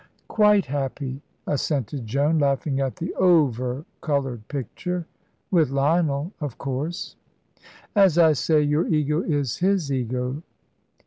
"Quite happy," assented Joan, laughing at the over coloured picture "with Lionel, of course." "As I say: your Ego is his Ego.